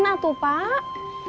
nah tuh pak